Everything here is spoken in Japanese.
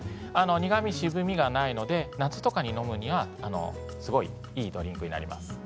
苦み、渋みがないので夏に飲むにはいいドリンクになります。